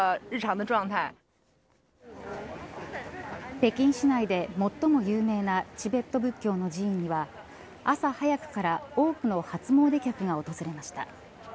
北京市内で最も有名なチベット仏教の寺院には朝早くから多くの初詣客が訪れました。